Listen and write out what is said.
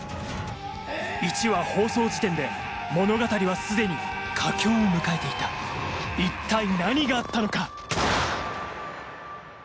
１話放送時点で物語は既に佳境を迎えていた一体何があったのか？